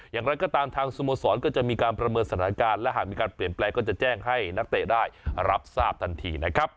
อย่างไรก็ตามทางสโมสรก็จะมีการประเมินสถานการณ์และหากมีการเปลี่ยนแปลงก็จะแจ้งให้นักเตะได้รับทราบทันทีนะครับ